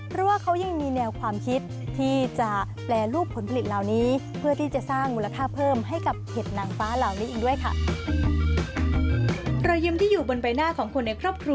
เพราะว่าเขายังมีแนวความคิดที่จะแปลรูปผลผลิตเหล่านี้